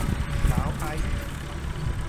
สาวไอซ์